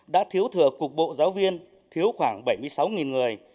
đã thiếu thừa cục bộ giáo viên thiếu khoảng bảy mươi sáu người